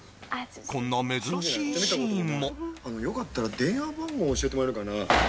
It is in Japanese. こんな珍しいシーンもよかったら電話番号教えてもらえるかな